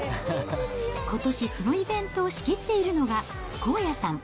ことし、そのイベントを仕切っているのが、こうやさん。